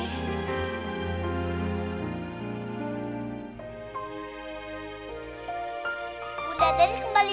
bunda dari kembali lagi